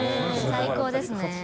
最高ですね。